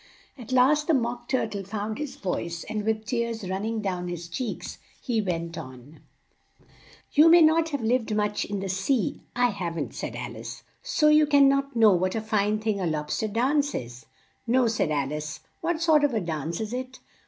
At last the Mock Tur tle found his voice and with tears run ning down his cheeks, he went on: "You may not have lived much in the sea" ("I have n't," said Al ice) "so you can not know what a fine thing a Lob ster Dance is!" "No," said Al ice. "What sort of a dance is it?"